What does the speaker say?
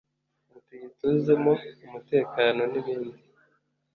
Ngo tuyituzemo umutekano nibindi